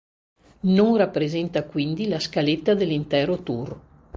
Non rappresenta quindi la scaletta dell'intero tour.